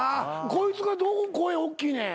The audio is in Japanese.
こいつがどこ声おっきいねん。